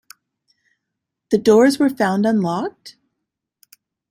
The doors were found unlocked?